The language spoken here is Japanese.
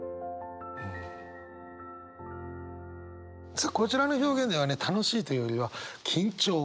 さあこちらの表現ではね楽しいっていうよりは緊張。